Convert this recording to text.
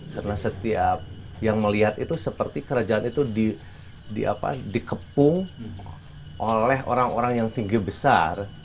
karena setiap yang melihat itu seperti kerajaan itu dikepung oleh orang orang yang tinggi besar